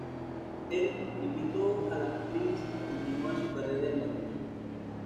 Él invitó a la actriz a continuar su carrera en Bakú.